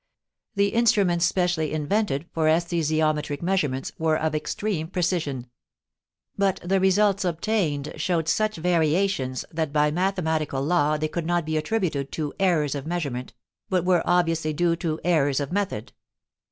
The instruments specially invented for esthesiometric measurements were of extreme precision; but the results obtained showed such variations that by mathematical law they could not be attributed to "errors of measurement," but were obviously due to "errors of method."